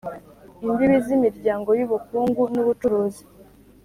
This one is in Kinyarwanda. imbibi z imiryango y ubukungu n ubucuruzi